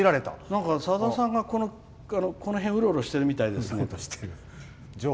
さださんが、この辺うろうろしてるみたいですねって。